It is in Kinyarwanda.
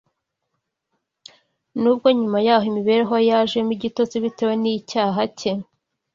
nubwo nyuma yaho imibereho ye yajemo igitotsi bitewe n’icyaha cye